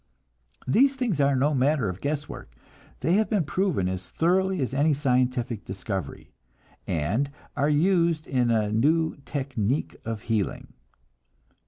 These things are no matter of guesswork, they have been proven as thoroughly as any scientific discovery, and are used in a new technic of healing.